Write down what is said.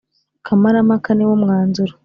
kamara mpaka niwo mwanzuro